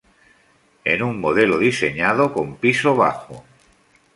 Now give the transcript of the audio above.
En un modelo diseñado con piso bajo.